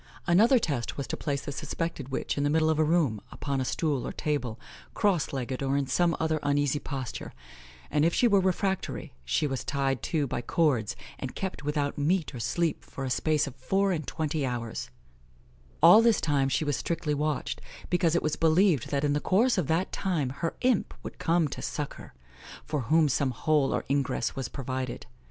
Another test was to place the suspected witch in the middle of a room, upon a stool or table, cross legged, or in some other uneasy posture, and if she were refractory, she was tied too by cords, and kept without meat or sleep for a space of four and twenty hours; all this time she was strictly watched, because it was believed that in the course of that time her imp would come to suck her, for whom some hole or ingress was provided.